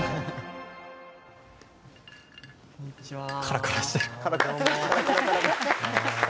こんにちは。